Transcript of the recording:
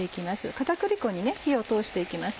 片栗粉に火を通して行きます。